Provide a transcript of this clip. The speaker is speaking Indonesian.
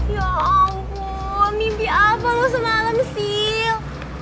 ya ampun mimpi apa lo semalam sil